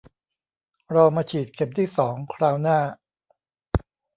รอมาฉีดเข็มที่สองคราวหน้า